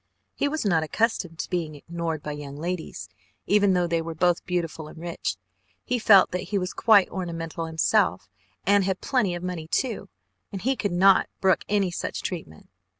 He was not accustomed to being ignored by young ladies, even though they were both beautiful and rich. He felt that he was quite ornamental himself, and had plenty of money, too, and he could not brook any such treatment.